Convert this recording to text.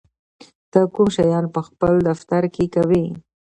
ته کوم شیان په خپل دفتر کې کوې؟